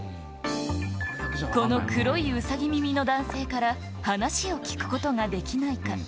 この黒いウサギ耳の男性から、話を聞くことができないか。